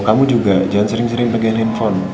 kamu juga jangan sering sering pakai handphone